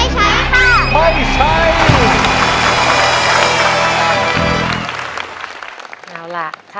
ใช่ใช่ใช่